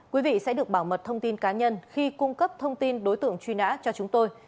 quý vị sẽ được bảo mật thông tin cá nhân khi cung cấp thông tin đối tượng truy nã cho chúng tôi